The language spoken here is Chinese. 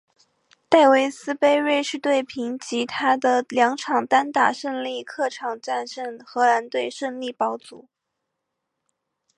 戴维斯杯瑞士队凭藉他的两场单打胜利客场战胜荷兰队顺利保组。